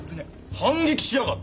反撃しやがって。